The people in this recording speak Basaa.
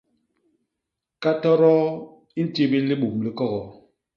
Katodoo i ntibil libum li kogoo.